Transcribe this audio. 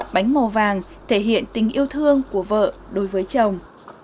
bánh màu vàng thể hiện tình yêu thương của vợ đối với chồng